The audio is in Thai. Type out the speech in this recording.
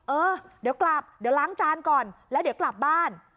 เออเดี๋ยวกลับเดี๋ยวล้างจานก่อนแล้วเดี๋ยวกลับบ้าน